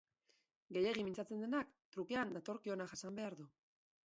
Gehiegi mintzatzen denak trukean datorkiona jasan behar du.